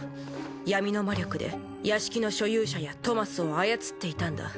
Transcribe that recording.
闇の魔力で屋敷の所有者やトマスを操っていたんだ。